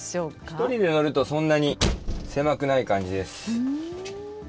１人で乗るとそんなに狭くない感じです。